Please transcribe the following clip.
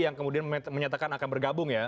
yang kemudian menyatakan akan bergabung ya